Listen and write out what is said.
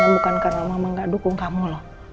bukan karena mama gak dukung kamu loh